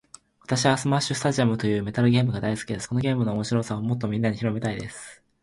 私はスマッシュスタジアムというメダルゲームが大好きです。このゲームの面白さをもっとみんなに広めたいです。